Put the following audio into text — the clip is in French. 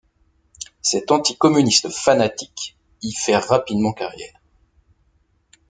Cet anticommuniste fanatique y fait rapidement carrière.